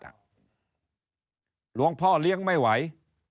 หลวงพ่อเลี้ยงไม่ไหว